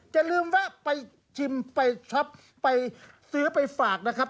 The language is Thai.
จะลืมว่าไปชิมไปชอบไปซื้อไปฝากนะครับ